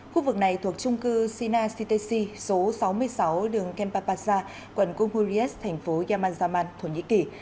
khu vực này thuộc trung cư sina ctc số sáu mươi sáu đường kempapasa quần cung hurriyes thành phố yaman yaman thổ nhĩ kỳ